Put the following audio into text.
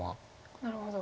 なるほど。